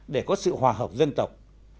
để có sự hòa hợp dân tộc